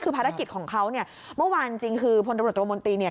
คือภารกิจของเขาเมื่อวานจริงคือพลตรวจตรวมนตรี